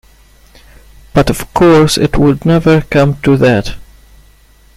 But of course it would never come to that.